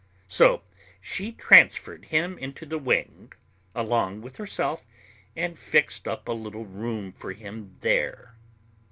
So she transferred him into the wing along with herself and fixed up a little room for him there.